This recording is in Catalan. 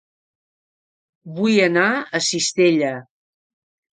Vull anar a Cistella